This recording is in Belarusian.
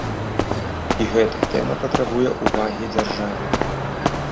І гэтая тэма патрабуе ўвагі дзяржавы.